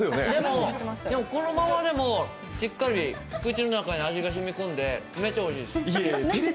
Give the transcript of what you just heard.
でも、このままでもしっかり口の中に味がしみ込んでいやいやテレビ。